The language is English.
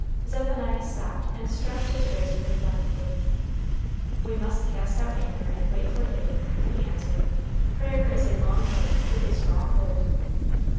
Zephaniah stopped and strapped his razor reflectively. "We must cast out anchor and wait for day," he answered. "Prayer is a long rope with a strong hold."